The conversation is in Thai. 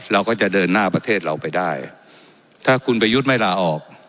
เราก็จะเดินหน้าประเทศเราไปได้ถ้าคุณประยุทธ์ไม่ลาออก